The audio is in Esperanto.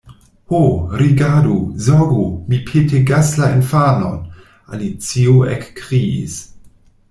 "Ho, rigardu, zorgu, mi petegasla infanon!" Alicio ekkriis.